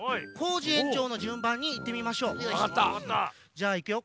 じゃあいくよ。